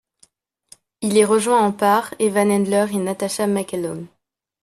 Il est rejoint en par Evan Handler et Natascha McElhone.